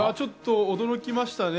驚きました。